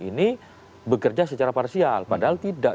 ini bekerja secara parsial padahal tidak